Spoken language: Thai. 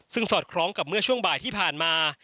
ซึ่งสอดคล้องกับเมื่อช่วงบ่ายที่ผ่านมา